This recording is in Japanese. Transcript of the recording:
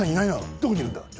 どこにいるんだちょ